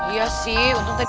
iya sih untung tadi